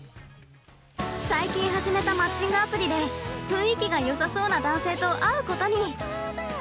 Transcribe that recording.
◆最近始めたマッチングアプリで雰囲気がよさそうな男性と会うことに。